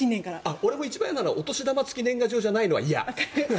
俺も一番嫌なのはお年玉付き年賀状じゃないのは嫌。